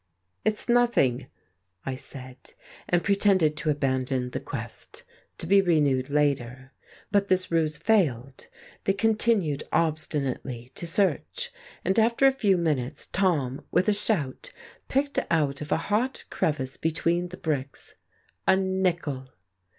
"It's nothing," I said, and pretended to abandon the quest to be renewed later. But this ruse failed; they continued obstinately to search; and after a few minutes Tom, with a shout, picked out of a hot crevice between the bricks a nickel!